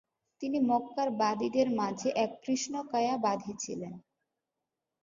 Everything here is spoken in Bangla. তিনি মক্কার বাদীদের মাঝে এক কৃষ্ণকায়া বাদী ছিলেন।